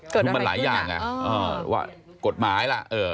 คือมันหลายอย่างว่ากฎหมายล่ะ